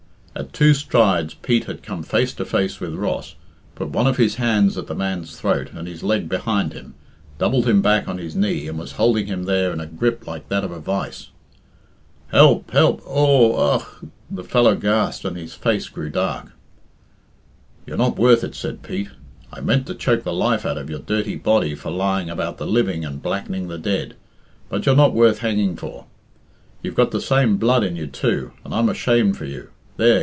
At two strides Pete had come face to face with Ross, put one of his hands at the man's throat and his leg behind him, doubled him back on his knee, and was holding him there in a grip like that of a vice. "Help! help! oo ugh!" The fellow gasped, and his face grew dark. "You're not worth it," said Pete. "I meant to choke the life out of your dirty body for lying about the living and blackening the dead, but you're not worth hanging for. You've got the same blood in you, too, and I'm ashamed for you. There!